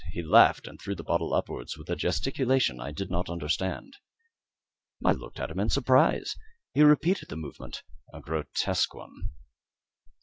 He laughed and threw the bottle upwards with a gesticulation I did not understand. I looked at him in surprise. He repeated the movement a grotesque one.